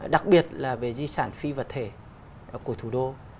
đặc biệt là về di sản phi vật thể của thủ đô